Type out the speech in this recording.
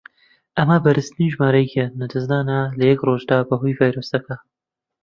ئەمە بەرزترین ژمارەی گیان لەدەستدانە لە یەک ڕۆژدا بەهۆی ڤایرۆسەکە.